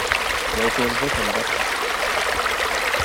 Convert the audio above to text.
Il a été élevé comme Baptiste.